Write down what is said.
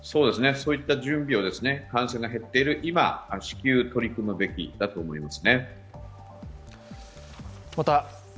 そういった準備を、感染が減っている今、至急取り組むべきだと思います。